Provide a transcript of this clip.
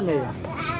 ada yang budak ini